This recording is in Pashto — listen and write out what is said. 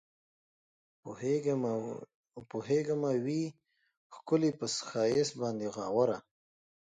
پوهېږمه وي ښکلي پۀ ښائست باندې غاوره